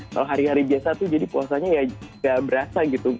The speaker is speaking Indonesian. kalau hari hari biasa tuh jadi puasanya ya nggak berasa gitu